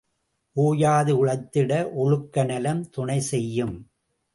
ஓயாது உழைத்திட ஒழுக்க நலம் துணை செய்யும்.